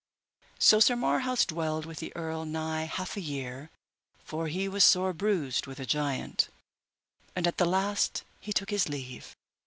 So Sir Marhaus dwelled with the earl nigh half a year, for he was sore bruised with the giant, and at the last he took his leave.